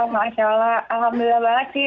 masya allah alhamdulillah banget sih